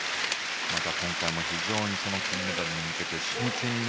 また今回も非常に金メダルに向けて真剣に